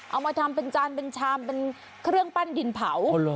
เอามาทำเป็นจานเป็นชามเป็นเครื่องปั้นดินเผา